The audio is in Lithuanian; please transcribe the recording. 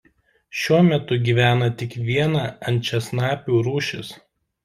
Šiuo metu gyvena tik viena ančiasnapių rūšis.